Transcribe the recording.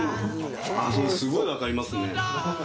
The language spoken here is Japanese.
それすごいわかりますね。